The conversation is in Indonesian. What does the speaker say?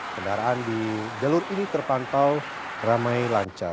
kendaraan di jalur ini terpantau ramai lancar